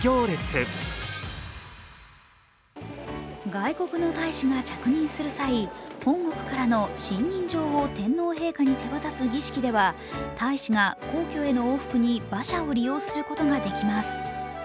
外国の大使が着任する際、本国からの信任状を天皇陛下に手渡す儀式では大使が皇居への往復に馬車を利用することができます。